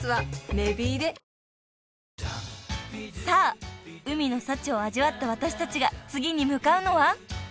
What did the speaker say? ［さあ海の幸を味わった私たちが次に向かうのは］